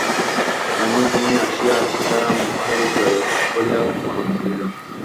এমন সময়ে আসিয়া সীতারাম মহারাজের জয় হউক বলিয়া প্রণাম করিল।